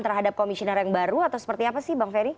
terhadap komisioner yang baru atau seperti apa sih bang ferry